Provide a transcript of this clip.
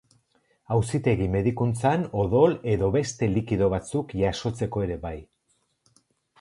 Auzitegi medikuntzan odol edo beste likido batzuk jasotzeko ere bai.